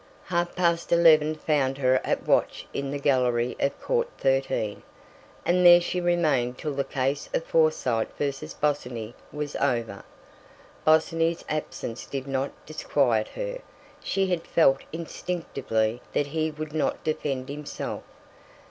Half past eleven found her at watch in the gallery of Court XIII., and there she remained till the case of Forsyte v. Bosinney was over. Bosinney's absence did not disquiet her; she had felt instinctively that he would not defend himself.